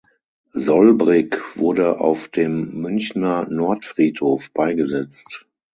Solbrig wurde auf dem Münchner Nordfriedhof beigesetzt.